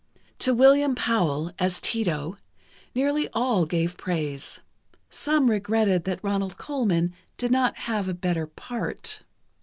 To William Powell, as Tito, nearly all gave praise; some regretted that Ronald Colman did not have a better part.